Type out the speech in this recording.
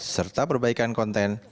serta perbaikan konten